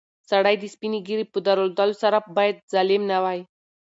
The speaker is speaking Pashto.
سړی د سپینې ږیرې په درلودلو سره باید ظالم نه وای.